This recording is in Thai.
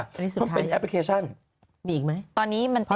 อันนี้สุดท้ายนะครับมันเป็นแอปพลิเคชันมีอีกไหม